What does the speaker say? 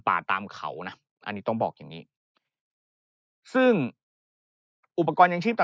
ตามเขานะอันนี้ต้องบอกอย่างนี้ซึ่งอุปกรณ์ยังชีพ